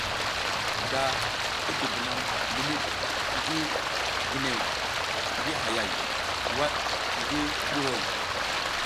Da i dibunam limid ngi ginew ngi hayay wad ngi buhoy.